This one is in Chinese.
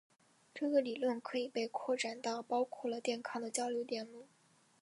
这个理论可以被扩展到包括了电抗的交流电路。